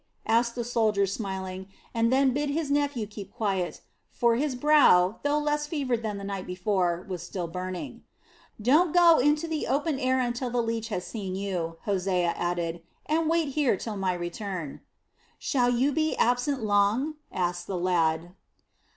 asked the soldier smiling, and then bid his nephew keep quiet; for his brow, though less fevered than the night before, was still burning. "Don't go into the open air until the leech has seen you," Hosea added, "and wait here till my return." "Shall you be absent long?" asked the lad.